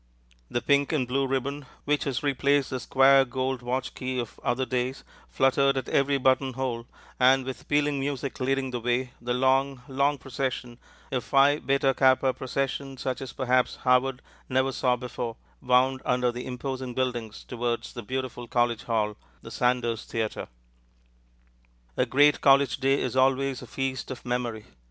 The pink and blue ribbon, which has replaced the square gold watch key of other days, fluttered at every button hole, and with pealing music leading the way, the long, long procession a Phi Beta Kappa procession such as perhaps Harvard never saw before wound under the imposing buildings towards the beautiful college hall, the Sanders Theatre. A great college day is always a feast of memory.